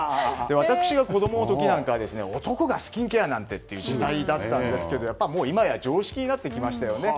私が子供の時なんかは男がスキンケアなんてという時代だったんですけどやっぱり今や常識になってきましたよね。